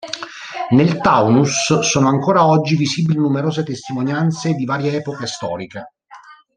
Nel Taunus sono ancora oggi visibili numerose testimonianze di varie epoche storiche.